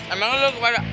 emangnya lo kepada